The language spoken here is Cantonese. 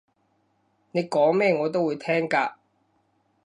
你講咩我都會聽㗎